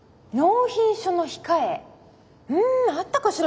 んあったかしら